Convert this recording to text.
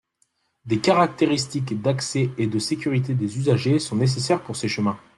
Des caractéristiques d’accès et de sécurité des usagers sont nécessaires pour ces chemins.